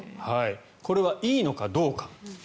これはいいのかどうか。